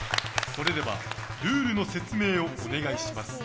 それではルールの説明をお願いします。